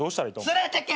連れてけ！